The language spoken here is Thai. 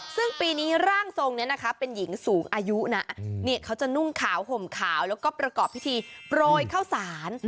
ซึ่งปีนี้ร่างทรงนี้นะคะเป็นหญิงสูงอายุนะเขาจะนุ่งขาวห่มขาวแล้วก็ประกอบพิธีโปรยข้าวสาร